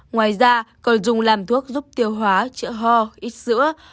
ngoài ra còn dùng làm thuốc giúp tiêu hóa chữa ho ít sữa